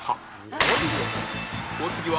お次は